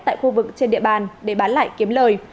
tại khu vực trên địa bàn để bán lại kiếm lời